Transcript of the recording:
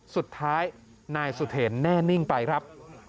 สุดท้ายนายสุเทรนแน่นิ่งไปครับ